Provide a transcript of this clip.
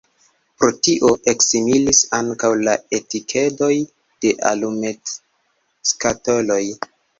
Pro tio eksimilis ankaŭ la etikedoj de alumetskatoloj.